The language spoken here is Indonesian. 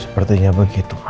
sepertinya begitu ma